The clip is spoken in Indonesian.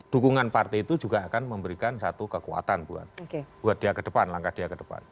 dukungan partai itu juga akan memberikan satu kekuatan buat dia kedepan langkah dia kedepan